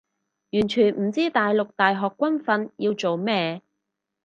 完全唔知大陸大學軍訓要做咩